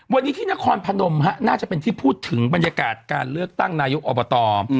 วันนี้ที่นครพนมน่าจะเป็นที่พูดถึงบรรยากาศการเลือกตั้งนายกอบต